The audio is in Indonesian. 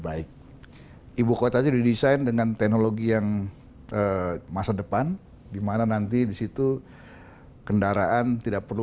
baik ibukota didesain dengan teknologi yang masa depan dimana nanti disitu kendaraan tidak perlu